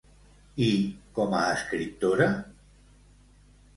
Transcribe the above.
I com a escriptora?